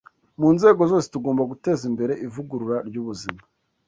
Mu nzego zose, tugomba guteza imbere ivugurura ry’ubuzima